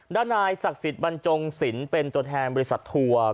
ด้านนายศักดิ์สิทธิ์บรรจงศิลป์เป็นตัวแทนบริษัททัวร์